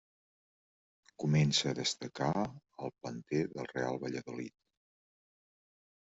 Comença a destacar al planter del Real Valladolid.